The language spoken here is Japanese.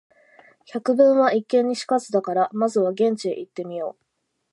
「百聞は一見に如かず」だから、まずは現地へ行ってみよう。